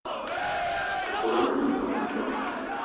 Ekut ine mindjong mindjong.